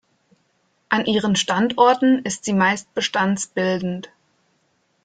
An ihren Standorten ist sie meist bestandsbildend.